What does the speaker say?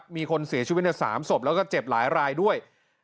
มีคนเสียชีวิตใน๓ศพแล้วก็เจ็บหลายรายด้วย